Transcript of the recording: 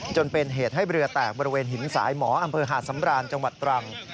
จนเป็นเหตุให้เรือแตกบริเวณหินสายหมออำเภอหาดสำราญจังหวัดตรัง